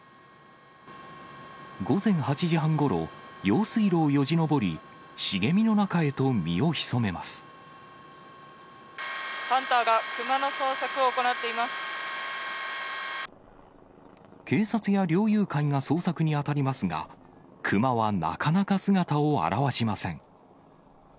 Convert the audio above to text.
午前８時半ごろ、用水路をよじ登り、ハンターがクマの捜索を行っ警察や猟友会が捜索に当たりますが、クマはなかなか姿を現しません。